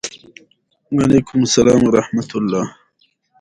ازادي راډیو د ترانسپورټ د پرمختګ په اړه هیله څرګنده کړې.